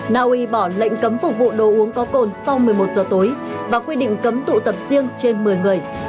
naui bỏ lệnh cấm phục vụ đồ uống có cồn sau một mươi một giờ tối và quy định cấm tụ tập riêng trên một mươi người